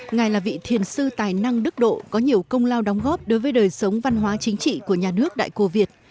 ngài là vị thiền sư tài năng đức độ có nhiều công lao đóng góp đối với đời sống văn hóa chính trị của nhà nước đại cô việt